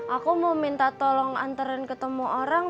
aku mau minta tolong anteran ketemu orang